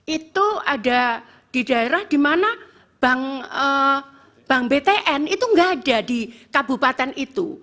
itu ada di daerah di mana bank btn itu nggak ada di kabupaten itu